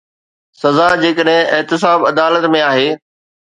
سزا جيڪڏهن احتساب عدالت ۾ آهي.